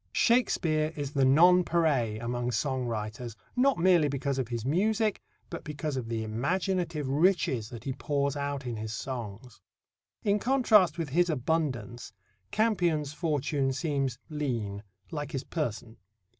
Shakespeare is the nonpareil among song writers, not merely because of his music, but because of the imaginative riches that he pours out in his songs. In contrast with his abundance, Campion's fortune seems lean, like his person.